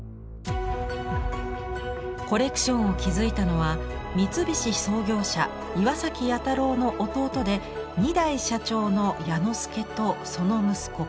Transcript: コレクションを築いたのは三菱創業者岩彌太郎の弟で２代社長の彌之助とその息子小彌太。